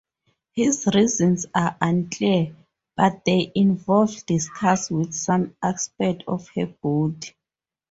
His reasons are unclear, but they involved disgust with some aspect of her body.